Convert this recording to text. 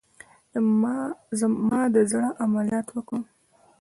ما د زړه عملیات وکړه